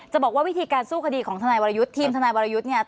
บอกว่าวิธีการสู้คดีของทนายวรยุทธ์ทีมทนายวรยุทธ์เนี่ย